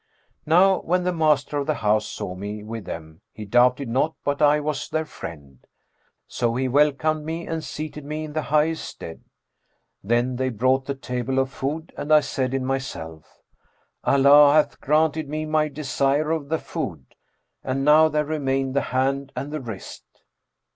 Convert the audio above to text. Now when the master of the house saw me with them he doubted not but I was their friend; so he welcomed me and seated me in the highest stead. Then they brought the table of food and I said in myself, 'Allah hath granted me my desire of the food; and now there remain the hand and the wrist.'